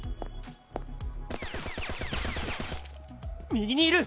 「」右にいる！